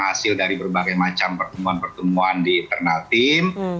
hasil dari berbagai macam pertemuan pertemuan di internal team